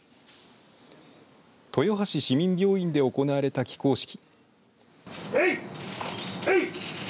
豊橋市民病院で行われた起工式。